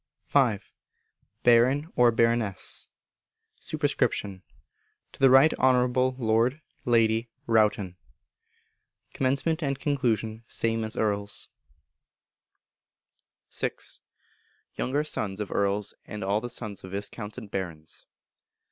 v. Baron or Baroness. Sup. To the Right Honourable Lord (Lady) Rowton. Comm. and Con. same as Earl's. vi. _Younger Sons of Earls, and all the Sons of Viscounts and Barons.